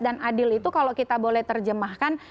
dan adil itu kalau kita boleh terjemahkan